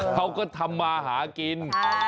เขาก็ทำมาหากิน